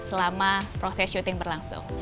selama proses syuting berlangsung